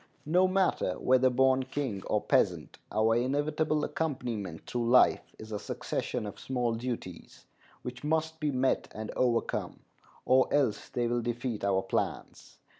No matter whether born king or peasant, our inevitable accompaniment through life is a succession of small duties, which must be met and overcome, or else they will defeat our plans.